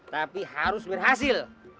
tapi harus berhasil